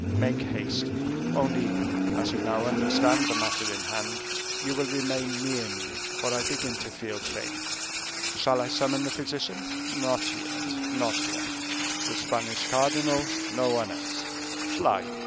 Make haste. Only, as you now understand the matter in hand, you will remain near me, for I begin to feel faint." "Shall I summon the physician?" "Not yet, not yet... the Spanish cardinal, no one else. Fly."